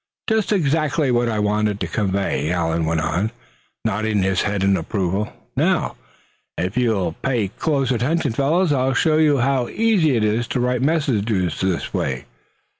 "Just exactly what I wanted to convey," Allan went on, nodding his head in approval. "Now, if you'll pay close attention, fellows, I'll show you how easy it is to write messages this way.